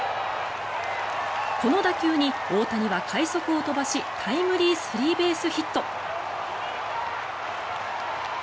この打球に大谷は快足を飛ばしタイムリースリーベースヒット。